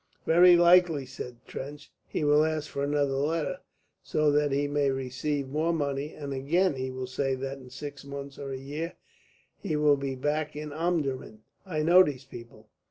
"Very likely," said Trench. "He will ask for another letter, so that he may receive more money, and again he will say that in six months or a year he will be back in Omdurman. I know these people."